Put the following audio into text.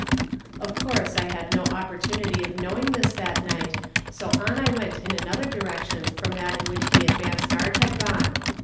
Of course I had no opportunity of knowing this that night, so on I went in another direction from that in which the advance guard had gone.